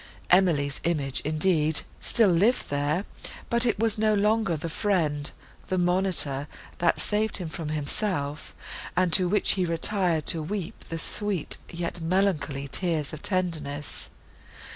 Emily's image, indeed, still lived there; but it was no longer the friend, the monitor, that saved him from himself, and to which he retired to weep the sweet, yet melancholy, tears of tenderness.